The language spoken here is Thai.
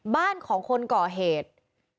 บ้านของคนก่อเหตุ